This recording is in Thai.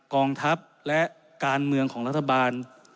กองทัพและการเมืองของรัฐบาล